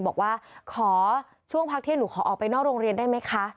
บอกว่าขอช่วงพักเที่ยงหนูขอออกไปนอกโรงเรียนได้ไหมคะ